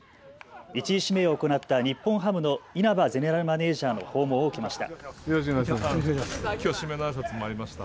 １位指名を行った日本ハムの稲葉ゼネラルマネージャーの訪問を受けました。